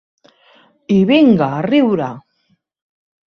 I vinga a riure.